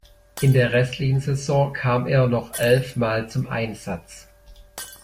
In der restlichen Saison kam er noch elfmal zum Einsatz.